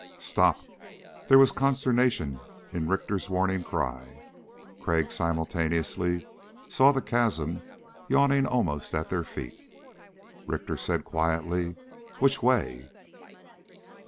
"Stop!" There was consternation in Richter's warning cry. Crag simultaneously saw the chasm yawning almost at their feet. Richter said quietly: "Which way?"